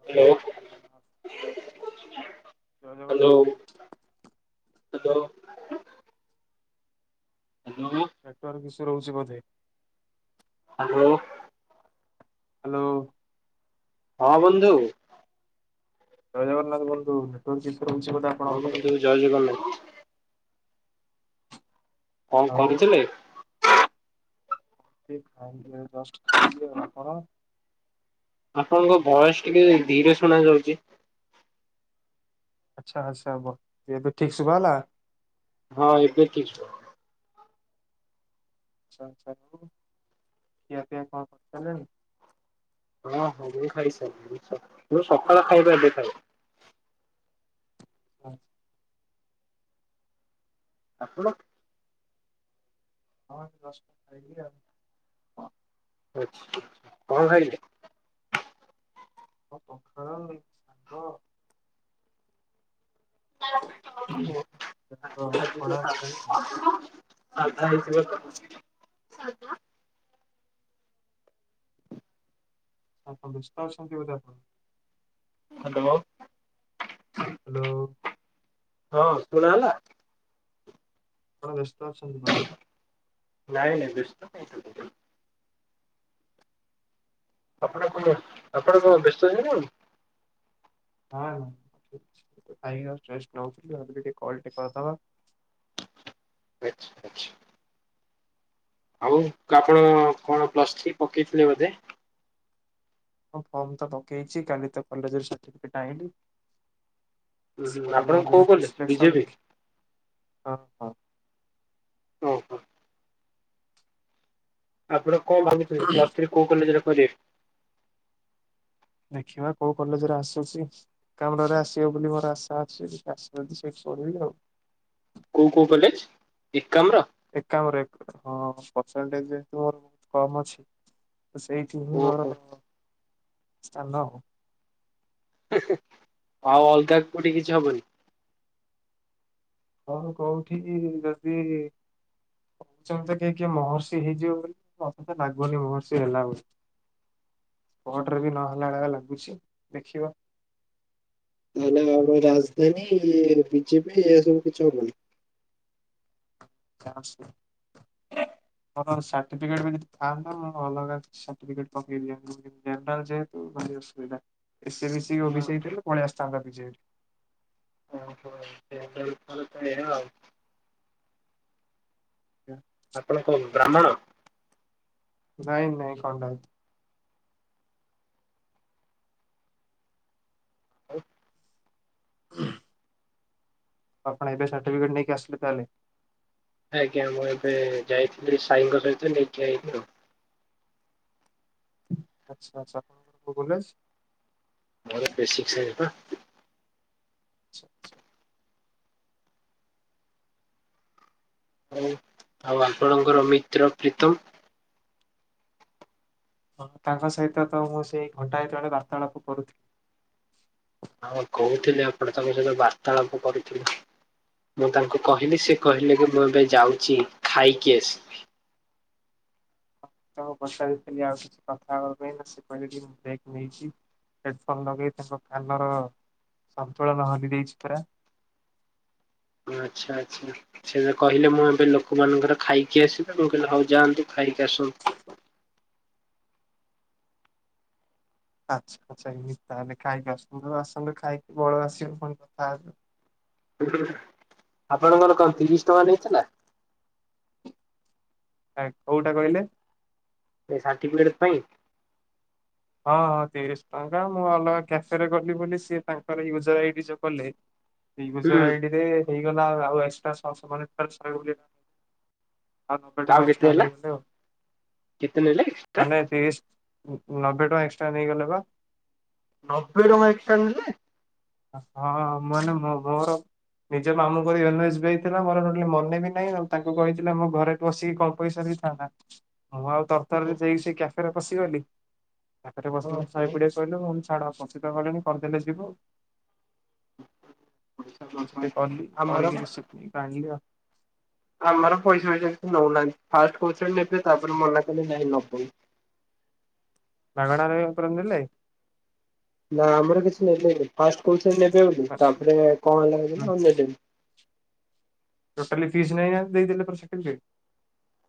ହଁ ଭାଇ ଜୟ ଜଗନ୍ନାଥ ଜୟ ଜଗନ୍ନାଥ ଭାଇ ହଲ ହ୍ୟାଲୋ ନେଟ୍----ଇସୁ ରହୁଚି ବଧେ। [inaudible] [inaudible] [inaudible] ଜୟ ଜଗନ୍ନାଥ୍ ବନ୍ଧୁ, ନେଟ୍ ରହୁଚି ବଧେ ହଁ ଆପଣଙ୍କର। [unintelligible] ଆଉ [inaudible] [inaudible] ଆପଣଙ୍କ ଭଏସ୍‌ ଟିକେ ଧୀରେ ଶୁଣା ଯାଉଚି। ଆଚ୍ଛା ଆଚ୍ଛା, ଏବେ ଠିକ୍ ଶୁଭା ହଁ! ଏବେ [inaudible] [inaudible] ହଁ [inaudible] [inaudible] [inaudible] [unintelligible] ଆମର ଖଡା [unintelligible] ସାଇ ଆଉ [unintelligible] ହ [unintelligible] ହାଲୋ। [inaudible] [inaudible] [inaudible] [inaudible] [unintelligible] [unintelligible] ଆଛି ଆଚ୍ଛା ଆଉ ଆପଣ କ'ଣ ପ୍ଲସ୍‌ଥ୍ରୀ ପକେଇ ଥିଲେ ବଧେ। ହଁ ଫମ୍ ତ ପକେଇଚି, କାଲି ତ କଲେ ସାଠିପିକେଟ୍ ଆ ଆପଣ କୋଉ କଲେଜ ବିଜେପି [inaudible] ଓହୋ ଆପଣ ଭାବିଥିଲେ ପ୍ଲସ୍‌ଥ୍ରୀ କଉ କଲେଜେ ରେ କରିବେ? ଦେଖିବା କଉ କଲେଜେ ରେ ଆସୁଚି। କାମଡ଼ରେ ଆସିବ ବୋଲି ମୋର ଆଶା ଅଛି କିି ଆସିବ ସେଇଠି କରିବି ଆଉ। କୋଉ କୋଉ କଲେଜ ଏକାମ୍ର ଏକାମ୍ରରେ ହଁ ପରସେଣ୍ଟେଜ [unintelligible] ମୋର ବହୁ କମ ଅଛି। ସେଇଠି ହିଁ ଘର ଓହୋ ମୋର ସ୍ଥାନ। ହୁଁ ଆଉ ଅଲଗା କୋଉଠି କିଛି ହବନି? କହୁନ କଉଠି ଯଦି କହୁଛନ୍ତି କିଏ କିଏ ମହର୍ଷି ହେଇଯିବ ବୋଲି ମତେ ତ ନାଗୁନି ମହର୍ଷି ହେଲା ବୋଲି। କଟରେ ବି ନହେଲା ଭଳିଆ ଲାଗୁଛି ଦେଖିବା। [unintelligible] ରାଜଧାନୀ ବି ଜେ ପି ଏରା ସବୁ କିଛି ହବନି। [unintelligible] ମୋର ସାର୍ଟିଫିକେଟ ବି ଯଦି ଥାନ୍ତା ମୁଁ ଅଲଗା ସାର୍ଟିଫିକେଟ ପକେଇ ଦିଅନ୍ତି। [unintelligible] ଜେନେରାଲ ଯେହେତୁ ଭାରି ଅସୁବିଧା ଏ ସି ବି ସି ଓ ବି ଆଉ ଶି ହେଇଥିଲେ ପଳେଇ ଆସିଥାନ୍ତା ବି ଜେ [unintelligible] ଜ୍ଞା ଆପଣ କଣ ବ୍ରାହ୍ମଣ? ନାଇଁ ନାଇଁ ଖଣ୍ଡାୟତ ଆଉ ହୁଁ। ଆପଣ ଏବେ ସାର୍ଟିଫିକଟ ନେଇକି ଆସିଲେ ତାହେଲେ। ଆଜ୍ଞା ମୁଁ ଏବେ ଯାଇଥିଲି ସାଇଙ୍କ ସହିତ ନେଇକି ଆଇଲି ଆଉ। ଆଚ୍ଛା ଆଚ୍ଛା ଆପଣଙ୍କର କୋଉ କଲେଜ? ମୋର [unintelligible] ପା ଆଚ୍ଛା, ଆଚ୍ଛା। ହଉ ଆଉ ଆପଣଙ୍କର ମିତ୍ର ପ୍ରୀତମ? ହଁ ତାଙ୍କ ସହିତ ତ ମୁଁ ସେଇ ଘଣ୍ଟାଏ ତଳେ ବାର୍ତ୍ତାଳାପ କରୁଥିଲି। ହଁ କହୁଥିଲେ ଆପଣ ତାଙ୍କ ସହିତ ବାର୍ତ୍ତାଳାପ କରୁଥିଲେ ମୁଁ ତାଙ୍କୁ କହିଲି ସେ କହିଲେ କି ମୁଁ ଏବେ ଯାଉଛି ଖାଇକି ଆସିବି। ତାଙ୍କୁ ପଚାରି ଥିଲି ଆଉ କିଛି କଥା ହେବା ପାଇଁ ନାଇଁ ସିଏ କହିଲେ କି ମୁଁ ବ୍ରେକ୍ ନେଇଛି। ହେଡଫୋନ ଲଗେଇ ତାଙ୍କ କାନର ସନ୍ତୁଳନ ହଲି ଯାଇଛି ପୁରା ଆଚ୍ଛା, ଆଚ୍ଛା। ସେ କହିଲେ ମୁଁ ଏବେ ଲୋକମାନଙ୍କର ଖାଇକି ଆସିବେ ମୁ କହିଲି ହଉ ଯାଆନ୍ତୁ ଖାଇକି ଆସନ୍ତୁ। ଆଚ୍ଛା ଆଚ୍ଛା ତାହେଲେ ଖାଇକି ଆସନ୍ତୁ ଆସନ୍ତୁ ଖାଇକି ବଳ ଆସିବ ଫୁଣି କଥା ହେବେ। [unintelligible] ଆପଣଙ୍କର କଣ ତିରିଶ ଟଙ୍କା ନେଇଥିଲା? ଆ କୋଉଟା କହିଲେ? ଏ ସାର୍ଟିଫିକେଟ ପାଇଁ। ହଁ ହଁ ତିରିଶ ଟଙ୍କା ମୁଁ ଅଲଗା କ୍ୟାଫେରେ ଗଲି ବୋଲି ସିଏ ତାଙ୍କର ୟୁଜର ଆଇ ଯୋଉ କଲେ ଏଇ ହୁଁ ୟୁଜର ଆଇଡିରେ ହେଇଗଲା ଆଉ ଏକ୍ସଟ୍ରା ଛଅ [unintelligible] [unintelligible] ଏକ୍ସଟ୍ରା ଆଉ କେତେ ହେଲା ନେଇଥିବେ ଆଉ କେତେ ନେଲେ ଏକ୍ସଟ୍ରା? ମାନେ ତିରିଶ୍ ହୁହୁଁ ନବେ ଟଙ୍କା ଏକ୍ସଟ୍ରା ନେଇଗଲେ ବା। ନବେ ଟଙ୍କା ଏକ୍ସଟ୍ରା ନେଲେ! ହଁ ମାନେ ମୋର ଖବର ନିଜ ମାମୁଁ ଙ୍କ ଏନ୍ ଏସ ବି ଆଇ ଥିଲା ମୋର ଟୋଟାଲି ମନେ ବି ନାହିଁ ଆ ତାଙ୍କୁ କହିଥିଲେ ମୋ ଘରେ ବସିକି କମ୍ ପଇସାର ହାଁ ହାଁ ମୁଁ ଆଉ। ଓହୋ। ତରତରରେ ଯାଇକି ସେଇ କ୍ୟାଫେରେ ବସିଗଲି କାଫେରେ ବସିଲେ ଶହେ କୁଡ଼ିଏ କହିଲୁ ମୁଁ ଛାଡ଼ ଆଉ କଣ [unintelligible] କଲେଣି କରିଦେଲେ ଯିବ। ସେଠି କଲି ଆମର କରକି ରିସିଭ୍ ଟା ଆଣିଲି ଆଉ। ଆମର ପଇସା ଫଇସା କିଛି ନଉନାହାନ୍ତି ଫାଷ୍ଟ କହୁଛନ୍ତି ନେବେ ତାପରେ ମନା କଲେ ନାଇଁ ନବନି ମାଗଣାରେ [unintelligible] ଦେଲେ? ନା ଆମର କିଛି ନେଲେନି ଫାଷ୍ଟ କଉଚନ୍ତି ନେବେ ବୋଲି ତାପରେ କଣ ହେଲା ହୁଁ ନା ନେଲେନି ଟୋଟାଲ ଫିସି ନେଇ ନାହାନ୍ତି ଦେଇ ଦେଲେ ପୁରା [unintelligible]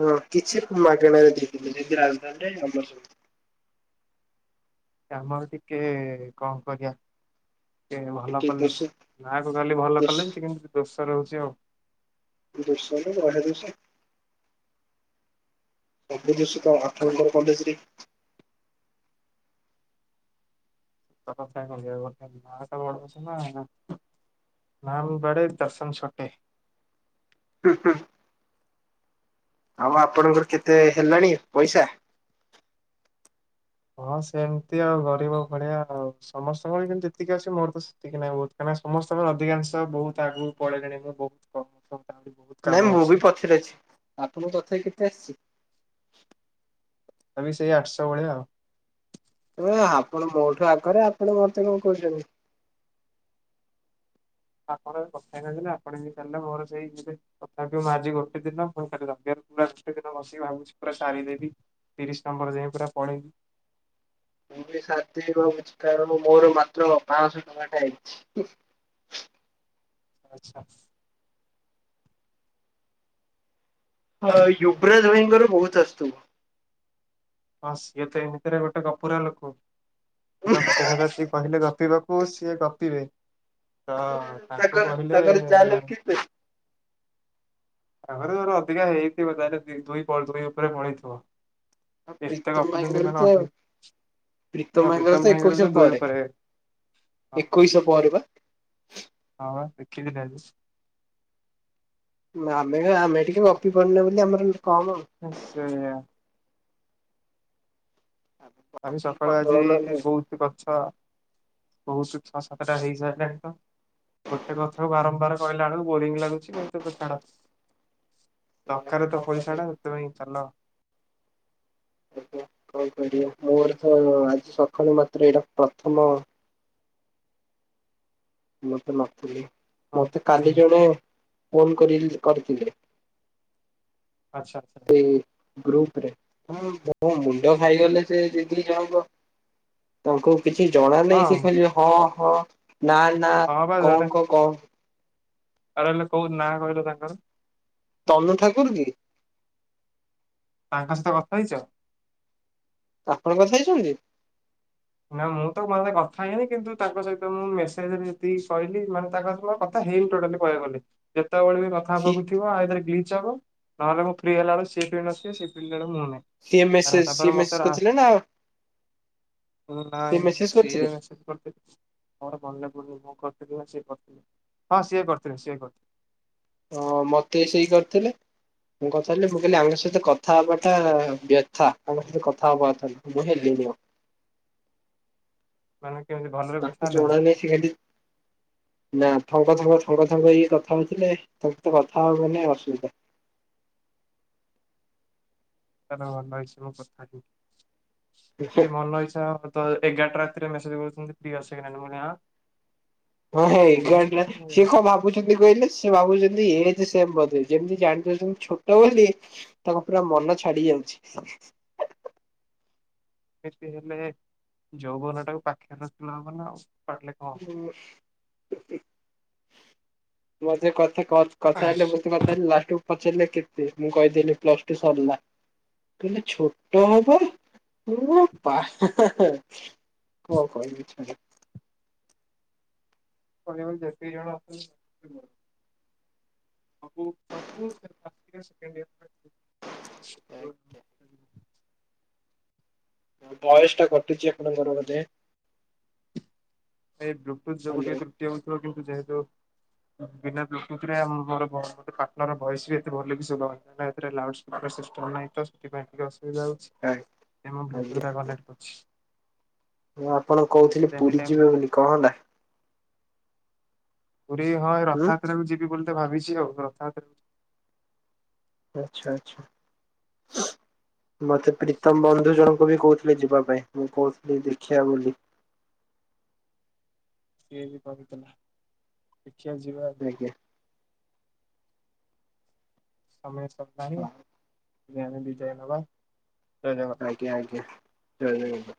ହଁ କିଛି ମାଗଣାରେ ଦେଇଥିଲେ ଯେମିତି ରାଜଧାନୀରେ ଆମର ଆମର ଟିକେ କଣ କରିବା? ଏଁ ଭଲ ଟିକେ କଲେଜ ଦୋଷ ନାଁ କୁ ଖାଲି ଭଲ ଦୋଷ କଲେଜ ଟିକେ କିନ୍ତୁ ଦୋଷ ରହୁଛି ଆଉ। ଦୁଶ ନୁହେ ମହା ଦୁସ। ସବୁ ଦୋଷ ତ ଆଠ ନମ୍ବର କଲେଜ ରେ। ସତ କଥା କହିଲ [unintelligible] ନାଁ ବଡ ସିନା ନା। ନାମ ବଡ଼େ ଦର୍ଶନ ଛୋଟେ। ହୁଁ ହୁଁ। ଆଉ ଆପଣଙ୍କର କେତେ ହେଲାଣି ପଇସା? ହଁ ସେମିତି ଆଉ ଗରିବ ଭଳିଆ ଆଉ ସମସ୍ତଙ୍କର ଯେତିକି ଆସେ ମୋର ତ ସେତିକି ନାଇଁ ବହୁତ କାହିଁ ନା ସମସ୍ତଙ୍କର ଅଧିକାଂଶ ବହୁତ ଆଗକୁ ପଳେଲେଣି ମୁଁ ବହୁତ କମ [inaudible] ତାଙ୍କ ଠୁ ବହୁ ନାଇଁ ମୁଁ ବି ପଛରେ ଅଛି ଆପଣଙ୍କ ତଥାପି କେତେ ଆସିଛି? ତା ବି ସେଇ ଆଠଶହ ଭଳିଆ ଆଉ। ତ ଆପଣ ମୋଠୁ ଆଗରେ ଆପଣ ମତେ କଣ କହୁଛନ୍ତି? ଆପଣ କଥା ହେଇ ନାହାନ୍ତି ନା ଆପଣଙ୍କ ସରିଲେ ମୋର ସେଇ ଯିବେ। ତଥାପି ମୁଁ ଆଜି ଗୋଟେ ଦିନ ପୁଣି କାଲି ରାତି [unintelligible] ପୁରା ଗୋଟେ ଦିନ ବସିକି ଭାବୁଛି ପୁରା ସାରିଦେବି। ତିରିଶ ନମ୍ବର ଯାଏଁ ପୁରା ପଳେଇବି। ମୁଁ ବି ସାରିଦେବି ଭାବୁଛି କାରଣ ମୋର ମାତ୍ର ପାଂସ ଟଙ୍କା ଟା ହେଇଛି। ଆଚ୍ଛା। ହଁ ୟୁବରାଜ ଭାଈଙ୍କର ବହୁତ ଆସୁଥୁବ। ହଁ ସିଏ ତ ଏମିତିରେ ଗୋଟେ ଗପୁରା ଲୋକ [unintelligible] କହିଲେ ଗପିବାକୁ ସିଏ ଗପିବେ ତ ତାଙ୍କୁ ତାଙ୍କର କହିଲେ। ତାଙ୍କର ଯାହାହେଲେ ବି କେତେ? ଆଉ ତାଙ୍କର ଘର ଅଧିକା ହେଇଥିବ ତାହେଲେ [unintelligible] ଉପରେ ମରେଇଥିବ। ଆଉ ଏତେ ପ୍ରୀତମ ଗପୁଛନ୍ତି ଭାଇଙ୍କର ତ [unintelligible] ହଁ ପ୍ରୀତମ ଭାଇଙ୍କର ବି ତ ଦୁଇ ଉପରେ। ହଁ ଏକୋଇଶ ପରେ ପା। ହଁ ଦେଖିନି ତାହେଲେ। ଆମେ ଆମେ ଟିକେ ଗପି ପାରିଲେନି ଆମର କମ। ହୁ ସେୟା। ଆମେ ଗପିକି ସକାଳୁ ଆଜି କରିଦବା ନହେଲେ। ବହୁତ କରିଚ ବହୁତ ଛଅ ସାତଟା ହେଇସାରିଲଣି ତ। ଗୋଟେ କଥାକୁ ବାରମ୍ବାର କହିଲା ବେଳକୁ ବୋରିଙ୍ଗ ଲାଗୁଛି କିନ୍ତୁ ତୁ ଛାଡ। ସେଇଆ ଦରକାର କଣ ତ କରିବା ପଇସା ଟା ସେଥିପାଇଁ ଚାଲ। ଆଜ୍ଞା କଣ କରିବା ମୋର ତ ଆଜି ସକାଳୁ ମାତ୍ର ଏଇଟା ପ୍ରଥମ। ମୁଁ ତ ନଥିଲି ହଁ ମତେ ହଁ କାଲି ଜଣେ। ଫୋନ କରି କରିଥିଲେ ଆଚ୍ଛା ଆଚ୍ଛା ଉ। ଗ୍ରୁପ ରେ ହଁ ମୋ ମୁଣ୍ଡ ଖାଇଗଲେ ସେ ଦିଦି ଜଣଙ୍କ ତାଙ୍କୁ। କିଛି ଜଣା ନାହିଁ ସେ ହଁ ଖାଲି ହଁ ହଁ ନା ନା ହଁ କଣ କ କ ଆଉ ରହିଲ କୋଉ ନା କହିଲ ତାଙ୍କର। ତନୁ ଠାକୁର କି? ତାଙ୍କ ସହିତ କଥା ହେଇଛ? ଆପଣଙ୍କ କଥା ହେଇଛନ୍ତି? ନା ମୁଁ ତ [unintelligible] କଥା ହେଇନି କିନ୍ତୁ ତାଙ୍କ ସହିତ ମୁଁ ମେସେଜରେ ଯେତିକି ଶଇଲି ମାନେ ତାଙ୍କ ସହିତ କ କଥା ହେଇନି ଟୋଟାଲି କହିବାକୁ ଗଲେ ଯେତେବେଳେ ବି କଥା ସି ହବାକୁ ଥିବ ଆଇଦର ଗ୍ଲିଚ ହବ। ନହେଲେ ମୁଁ ଫ୍ରି ହେଲା ବେଳକୁ ସେ ଫ୍ରି ନ ଥିବେ ସେ ଫ୍ରି ହେଲା ବେଳକୁ ମୁଁ ନାହିଁ। ସିଏ ତାର- ମେସେଜ ତାପରେ ସିଏ ମତେ ମେସେଜ କରିଥିଲେ ନା? ଉଁ ସିଏ ନାଇ ମେସେଜ ସିଏ କରିଥିଲେ? ମେସେଜ କରିଥି। ମୋର ମନେ ପଡୁନି ମୁଁ କରିଥିଲି ନା ସିଏ କରିଥିଲେ ହଁ ସିଏ କରିଥିଲେ ସିଏ କରିଥି ହଁ ମତେ ସେଇ କରିଥିଲେ। ମୁଁ କଥା ହେଲି ମୁଁ କହିଲି ଆଙ୍କ ସହିତ କଥା ହବାଟା ବ୍ୟଥା ଆଙ୍କ ସହିତ କଥା ହବା କଥା ନୁ ମୁଁ ହେଲିନି ମ ମାନେ କେନ୍ତି ଭଲ ତାଙ୍କୁ ଜଣା ନାଇଁ ସିଏ ଆଲି ନା ଥଙ୍ଗ ଥଙ୍ଗ ଥଙ୍ଗ ଥଙ୍ଗ ହେଇ କଥା ହଉଥିଲେ ତାଙ୍କ ତୁ କଥା ହବ ନେ ଅସୁବିଦା। କାରଣ [unintelligible] ସିଏ ଭଲ ହିସାବରେ [unintelligible] ତ ଏଗାରଟା ରାତିରେ ମେସେଜ୍ କରୁଛନ୍ତି ଫ୍ରି ଅଛ କି ନା ନାଇଁ ମୁଁ କଇଲି ହଁ। ଫୁଣି ଏଗାର [unintelligible] ସିଏ କଁ ଭାବୁ ଭାବୁଚିନ୍ତି କଇଲେ ସିଏ ଭାବୁଚନ୍ତି ଏଜେ ସେମ୍ ବୋଧେ ଯେମିତି ଜାଣିଦଉଚନ୍ତି ଛୋଟ ବୋଲି ତାଙ୍କ ପୁରା ମନ ଛାଡି ଯାଉଛି। ଯେତେ ହେଲେ ଯୌବନଟାକୁ ପାଖେରେ ରଖିଲା ହବ ନା ଆଉ। କାଟିଲେ କଣ ହବ। ମୁଁ ଆଜି ଯାଏଁ କଥା କ କଥା ହେଲେ ମୁଁ ବି କଥା ହେଲି ଲାଷ୍ଟକୁୁ ପଚାରିଲେ କେତେ ମୁଁ କଇଦେନି ପ୍ଲସ ଟୁ ସରିଲା। କହିଲେ ଛୋଟ ହବ ମୁଁ ପା ହେଁ ହେଁ ହେଁ। କଁ କଇବି ଛାଡ। କହିଆକୁ ଗଲେ ଯେତିକି ଜଣ ଅଛ [unintelligible] ସବୁ ସବୁ ସେ ଫାଷ୍ଟ ଇୟର ସେକେଣ୍ଡ ଇୟର [unintelligible] ଆଉ ଭଏସଟା କଟୁଚି ଆପଣଙ୍କର ବୋଧେ। ଏଇ ବ୍ଲୁଟୁଥ ଯୋଗୁ ଟିକେ ହ୍ୟାଲୋ। ତ୍ରୁଟି ହଉଥିବ କିନ୍ତୁ ଯେହେତୁ ଉଁ ବିନା ବ୍ଲୁଟୁଥରେ ଆ ମୋର [unintelligible] ଗୋଟେ ପାର୍ଟନର ଭଏସ୍ ବି ଏତେ ଭଲକି ଶୁଭା ହଉନି କାଇଁନା ଏଥିରେ ଲାଉଡ ସ୍ ବାର ସିଷ୍ଟମ ନାହିଁ ତ ସେଥିପାଇଁ ଟିକେ ଅସୁବିଧା ହଉଛି। ଏ ମୋ ଆଜ୍ଞା ବ୍ଲୁଟୁଥଟା କନେକ୍ଟ କରୁଛି। ମୁଁ ଆପଣଙ୍କୁ କହୁଥିଲି ଏନି ପୁରୀ ଟାଇମ୍ ଯିବେ ବୋଲି କଣ ହେଲା? ପୁରୀ ହଁ ଏ ଉଁ? ରଥଯାତ୍ରାକୁ ଯିବି ବୋଲି ତ ଭାବିଚି ଆଉ ରଥଯାତ୍ରାକୁ ଆଛା ଆଛା। ମତେ ପ୍ରୀତମ ବନ୍ଧୁ ଜଣଙ୍କ ବି କହୁ ଥିଲେ ଯିବା ପାଇଁ ମୁଁ କହୁଥିଲି ଦେଖିଆ ବୋଲି। ସିଏ ବି କହୁଥେଲା ଦେଖିଆ ଯିବା। ଆଜ୍ଞା। ସମୟ ସରିଲାଣି ହଁ ଆମେ ଏବେ ବିଦାୟ ନବା। ଜୟ ଜଗନ୍ନାଥ। ଆଜ୍ଞା ଆଜ୍ଞା ଜୟ ଜଗ [unintelligible]